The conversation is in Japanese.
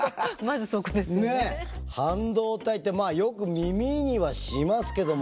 半導体ってまあよく耳にはしますけども。